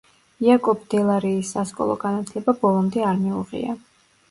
იაკობ დე ლა რეის სასკოლო განათლება ბოლომდე არ მიუღია.